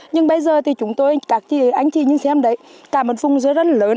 nhưng bây giờ thì chúng tôi các anh chị nhìn xem đấy cả một vùng dưới rất là lớn